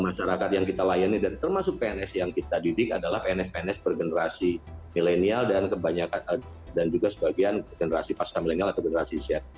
masyarakat yang kita layani dan termasuk pns yang kita didik adalah pns pns bergenerasi milenial dan kebanyakan dan juga sebagian generasi pasca milenial atau generasi z